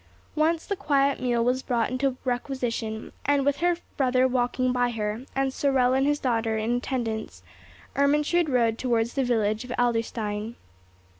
Once the quiet mule was brought into requisition; and, with her brother walking by her, and Sorel and his daughter in attendance, Ermentrude rode towards the village of Adlerstein.